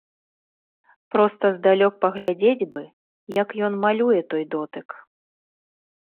Проста здалёк паглядзець бы, як ён малюе той дотык.